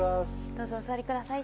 どうぞお座りください